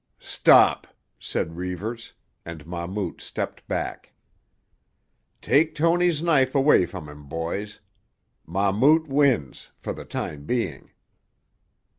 "Stop," said Reivers, and Mahmout stepped back. "Take Tony's knife away from him, boys. Mahmout wins—for the time being."